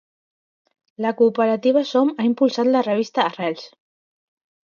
La cooperativa Som ha impulsat la revista Arrels.